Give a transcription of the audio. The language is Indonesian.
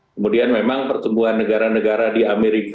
kemudian memang pertumbuhan negara negara di amerika